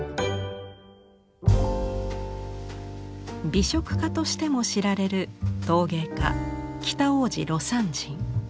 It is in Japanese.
美食家としても知られる陶芸家北大路魯山人。